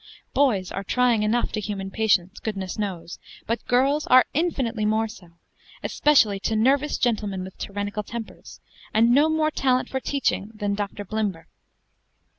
Boys are trying enough to human patience, goodness knows! but girls are infinitely more so, especially to nervous gentlemen with tyrannical tempers, and no more talent for teaching than "Dr. Blimber."